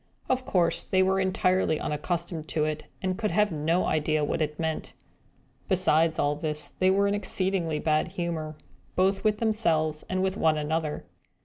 Of course, they were entirely unaccustomed to it, and could have no idea what it meant. Besides all this, they were in exceedingly bad humour, both with themselves and with one another.